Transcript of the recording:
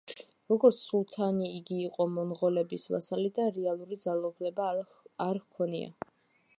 როგორც სულთანი იგი იყო მონღოლების ვასალი და რეალური ძალაუფლება არ ჰქონია.